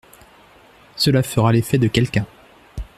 Cela fera l'effet de quelqu'un.